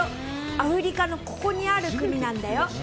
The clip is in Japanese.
アフリカのここにある国なんだよ。